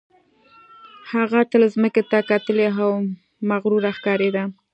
هغه تل ځمکې ته کتلې او مغروره ښکارېده